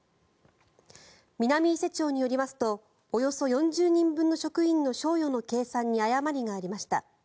南伊勢町によりますとおよそ４０人分の職員の賞与の計算に誤りがありました。